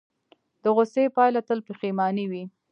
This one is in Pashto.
د غوسې پایله تل پښیماني وي.